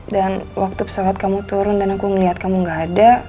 dan waktu pesawat kamu turun dan aku ngeliat kamu gak ada